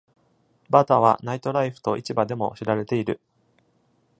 バタは、ナイトライフと市場でも知られている。